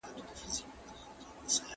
ګاونډی هیواد قونسلي خدمات نه ځنډوي.